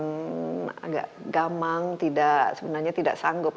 tidak gamang tidak sebenarnya tidak sanggup